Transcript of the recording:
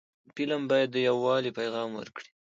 فلم باید د یووالي پیغام ورکړي